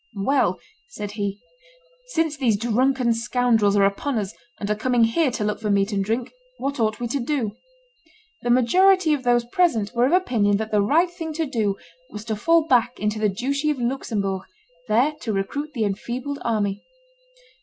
"Well!" said he, "since these drunken scoundrels are upon us, and are coming here to look for meat and drink, what ought we to do?" The majority of those present were of opinion that the right thing to do was to fall back into the duchy of Luxembourg, there to recruit the enfeebled army.